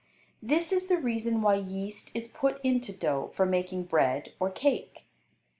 This is the reason why yeast is put into dough for making bread or cake.